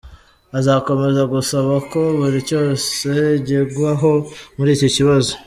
Azakomeza gusaba ko buri cyose kigwaho muri iki kibazo.